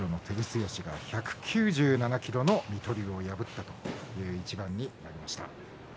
１９７ｋｇの水戸龍を破ったという一番になりました。